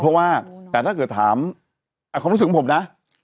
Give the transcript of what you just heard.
เพราะว่าแต่ถ้าเกิดถามความรู้สึกของผมนะ